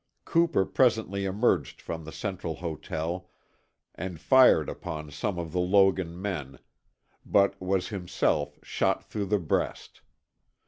Cooper presently emerged from the Central Hotel and fired upon some of the Logan men, but was himself shot through the breast.